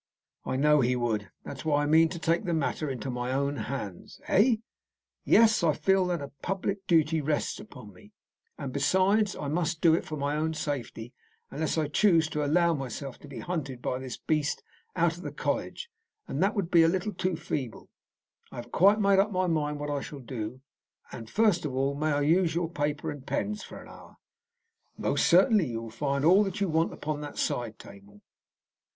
"I know he would. That is why I mean to take the matter into my own hands." "Eh?" "Yes; I feel that a public duty rests upon me, and, besides, I must do it for my own safety, unless I choose to allow myself to be hunted by this beast out of the college, and that would be a little too feeble. I have quite made up my mind what I shall do. And first of all, may I use your paper and pens for an hour?" "Most certainly. You will find all that you want upon that side table."